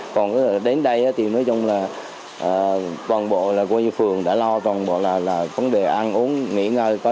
còn đến đây thì nói chung là toàn bộ